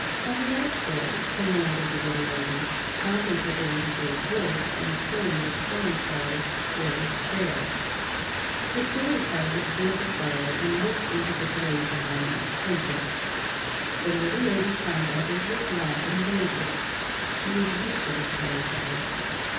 Tell me that story," commanded the Little Lady, promptly forgetting her day's work and pulling the Story Teller toward his chair. The Story Teller stirred the fire and looked into the blaze a moment, thinking. The Little Lady climbed up into his lap and waited. She was used to the Story Teller.